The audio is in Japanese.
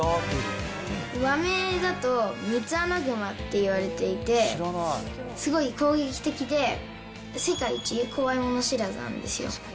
和名だとミツアナグマっていわれていて、すごい攻撃的で、世界一怖いもの知らずなんですよ。